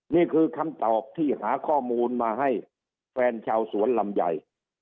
นี่คือคำตอบที่หาข้อมูลมาให้แฟนชาวสวนลำไย